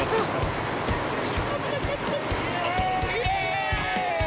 イエーイ！